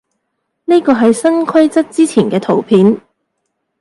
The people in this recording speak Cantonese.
呢個係新規則之前嘅圖片